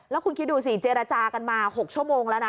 แล้วคุณคิดดูสิเจรจากันมา๖ชั่วโมงแล้วนะ